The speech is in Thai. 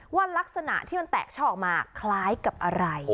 ว่ารักษณะที่มันแตกช่อออกมาคล้ายกับอะไร